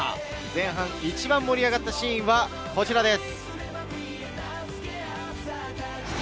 前半、一番盛り上がったシーンはこちらです。